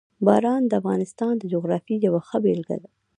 باران د افغانستان د جغرافیې یوه ښه بېلګه ده.